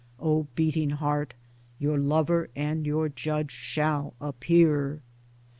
O beating heart, your lover and your judge shall appear.